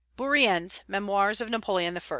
Bourrienne's Memoirs of Napoleon I.